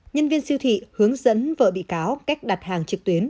nhân viên siêu thị hướng dẫn vợ bị cáo cách đặt hàng trực tuyến